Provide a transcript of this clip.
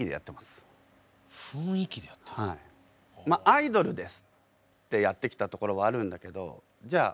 「アイドルです」でやってきたところはあるんだけどじゃあ